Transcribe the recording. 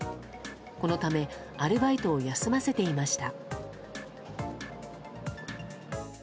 このため、アルバイトを休ませていました。